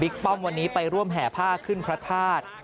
กำมือบิ๊กไปร่วมแห่ภาพขึ้นพระธาตุ